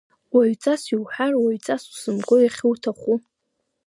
Уаҩҵас иуҳәар, уаҩҵас усымгои иахьуҭаху!